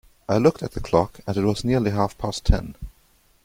I looked at the clock, and it was nearly half-past ten.